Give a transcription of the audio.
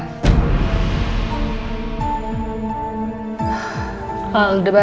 tidak ada yang bisa diberikan